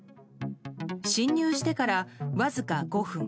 侵入してから、わずか５分。